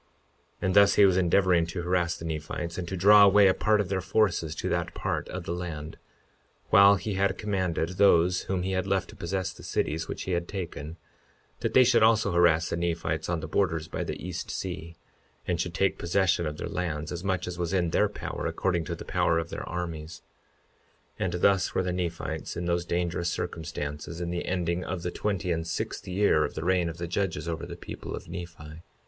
52:13 And thus he was endeavoring to harass the Nephites, and to draw away a part of their forces to that part of the land, while he had commanded those whom he had left to possess the cities which he had taken, that they should also harass the Nephites on the borders by the east sea, and should take possession of their lands as much as it was in their power, according to the power of their armies. 52:14 And thus were the Nephites in those dangerous circumstances in the ending of the twenty and sixth year of the reign of the judges over the people of Nephi.